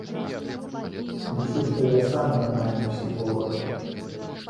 Я лічу, што я сам нармальны псіхолаг.